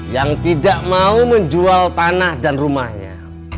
yang tidak mau menjual tanah dan rumahnya